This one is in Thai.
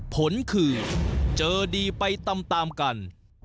ผลคือเจอดีไปตามกัน